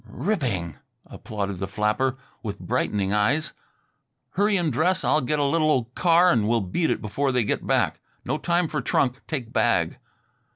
"Ripping," applauded the flapper, with brightening eyes. "Hurry and dress. I'll get a little old car and we'll beat it before they get back. No time for trunk; take bag."